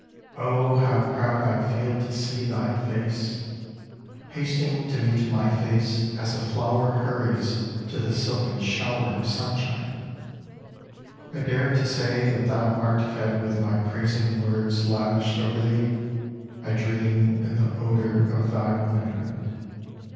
how proud I feel to see thy face .^ Hasting to meet my face, as a flower Hurries to the silken shower of sunshine ! 1 dare to say that thou art fed With my praising words lavished over thee : I dream in the odour of thy womanhood.